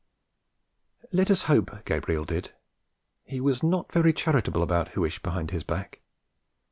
Let us hope Gabriel did; he was not very charitable about Huish behind his back.